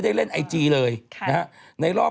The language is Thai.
จากธนาคารกรุงเทพฯ